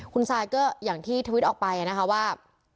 คุณซายก็อย่างที่ทวิตออกไปนะคะว่า